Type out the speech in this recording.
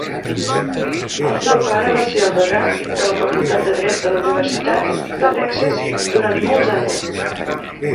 El seu pare va ser el degà de la Facultat de Dret de la Universitat de Texas durant molts anys.